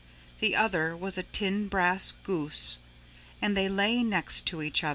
The other was a tin brass goose. And they lay next to each other.